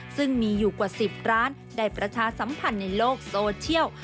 ซึ่งมีอยู่กว่า๑๐ร้านได้ประชาสัมพันธ์ในโลกโซเชียล